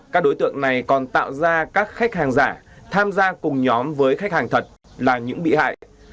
các đối tượng này còn tạo ra các khách hàng giả tham gia cùng nhóm với khách hàng thật là những bị hại